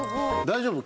大丈夫？